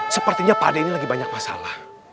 sepertinya pade ini lagi banyak masalah